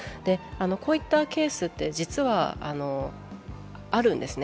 こういったケースって実はあるんですね